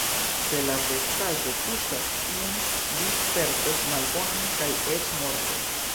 Se la vestaĵo tuŝas iun, li spertos malbonon kaj eĉ mortos.